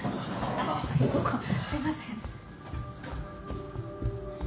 あっすいません。